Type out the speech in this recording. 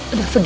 udah lupa ya